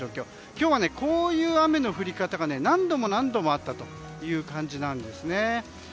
今日はこういう雨の降り方が何度も何度もあったという感じなんですね。